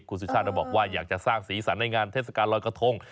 คุณสุชาติบอกว่าอยากจะสร้างสีสันในงานเทศกาลลอยกระทง